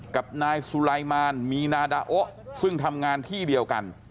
กับนายสุไลมารมีนาดาโอซึ่งทำงานที่เดียวกัน